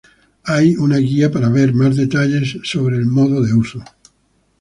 Hay una guía para ver más detalles acerca del modo de uso.